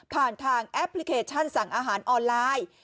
ผ่านทางแอปพลิเคชันสั่งอาหารออนไลน์